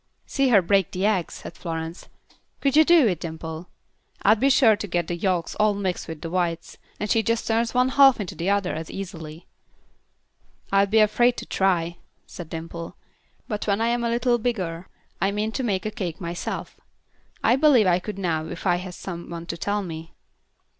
"See her break the eggs," said Florence. "Could you do it, Dimple? I'd be sure to get the yolks all mixed with the whites, and she just turns one half into the other as easily." "I'd be afraid to try," said Dimple; "but when I am a little bigger, I mean to make a cake myself. I believe I could now if I had some one to tell me."